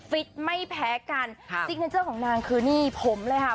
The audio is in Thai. ฟิตไม่แพ้กันค่ะซิกเนเจอร์ของนางคือนี่ผมเลยค่ะ